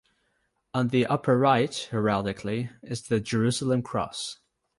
On the upper right (heraldically) is the Jerusalem cross.